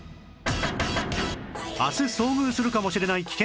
明日遭遇するかもしれない危険